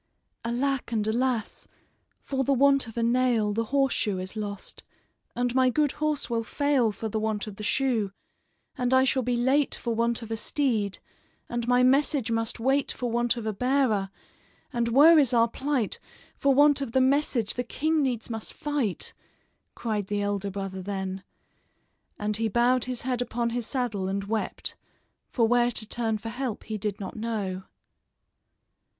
"Alack and alas! for the want of a nail The horseshoe is lost; and my good horse will fail For the want of the shoe; and I shall be late For want of a steed; and my message must wait For want of a bearer; and woe is our plight, For want of the message the king needs must fight!" cried the elder brother then; and he bowed his head upon his saddle and wept, for where to turn for help he did not know.